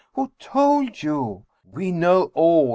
Who told you? "" We know all